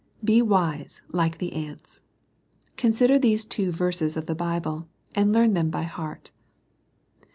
Be wise, like the ants. Consider these two verses of the Bible, and learn them by heart.